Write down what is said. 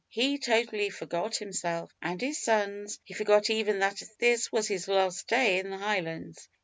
He totally forgot himself and his sons; he forgot even that this was his last day in the Highlands.